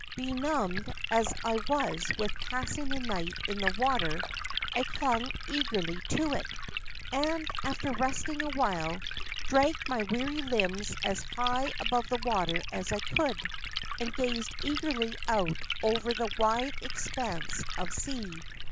Benumbed as I was with passing the night in the water, I clung eagerly to it, and, after resting a while, dragged my weary limbs as high above the water as I could, and gazed eagerly out over the wide expanse of sea.